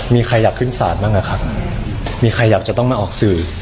มีใครอยากขึ้นสารบ้างเหรอคะมีใครจะต้องมาออกสื่อ